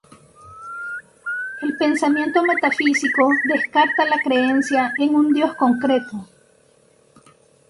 El pensamiento metafísico descarta la creencia en un Dios concreto.